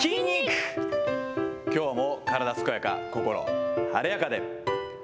きょうも体健やか、心晴れやかで。